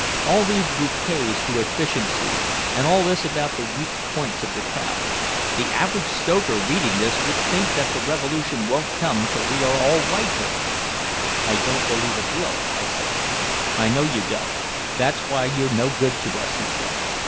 All these bouquets to efficiency and all this about the weak points of the crowd. The average stoker reading this would think that the revolution won't come till we are all white haired." "I don't believe it will," I said. "I know you don't. That's why you're no good to us," he said.